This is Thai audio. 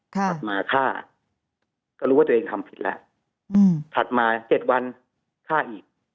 ถัดมาฆ่าก็รู้ว่าตัวเองทำผิดแล้วถัดมา๗วันฆ่าอีก